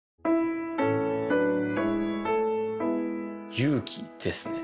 勇気ですね